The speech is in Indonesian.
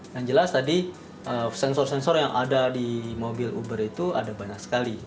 yang jelas tadi sensor sensor yang ada di mobil uber itu ada banyak sekali